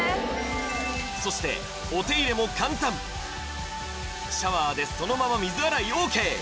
そしてお手入れも簡単シャワーでそのまま水洗いＯＫ